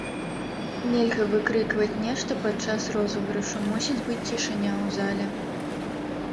Нельга выкрыкваць нешта падчас розыгрышу, мусіць быць цішыня ў зале.